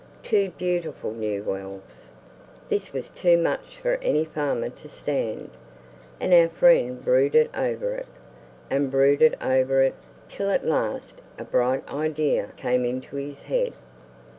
—two beautiful new wells! This was too much for any farmer to stand: and our friend brooded over it, and brooded over it, till at last a bright idea came into his head.